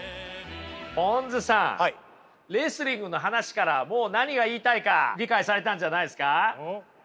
ぽんづさんレスリングの話からもう何が言いたいか理解されたんじゃないですか？